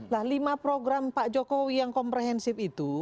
nah lima program pak jokowi yang komprehensif itu